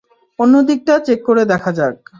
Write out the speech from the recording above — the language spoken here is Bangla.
অন্যদিকটা চেক করে দেখা যাক।